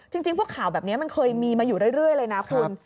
จริงพวกข่าวแบบนี้มันเคยมีมาอยู่เรื่อยเลยนะคุณ